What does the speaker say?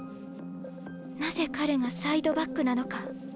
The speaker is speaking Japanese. なぜ彼がサイドバックなのか。